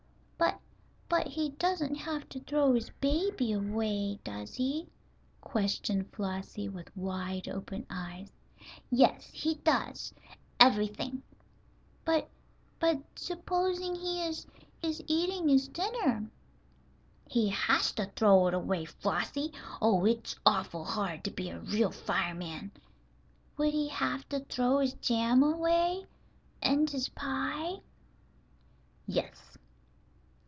"But but he doesn't have to throw his baby away, does he?" questioned Flossie, with wide open eyes. "Yes, he does, ev'rything." "But but supposing he is is eating his dinner?" "He has to throw it away, Flossie. Oh, it's awful hard to be a real fireman." "Would he have to throw his jam away, and his pie?" "Yes."